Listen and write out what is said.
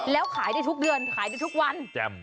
แล้วขายได้ทุกเดือนขายได้ทุกวัน